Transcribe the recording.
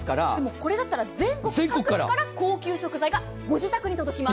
これだったら全国各地から高級食材がご自宅に届きます。